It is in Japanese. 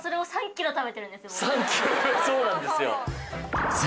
３ｋｇそうなんですよ。